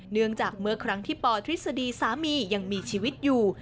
เนื่องจากเมื่อครั้งที่ปทฤษฎีสามียังมีชีวิตอยู่